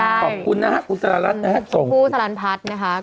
ปล่อยไม่ได้ขอบคุณนะครับคุณสรรพัฒน์นะครับส่งคุณผู้สรรพัฒน์พัฒน์นะคะ